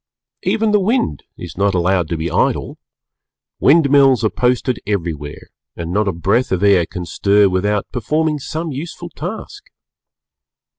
Even the Wind is not allowed to be idle; wind mills are posted everywhere and not a breath of air can stir without performing some useful task.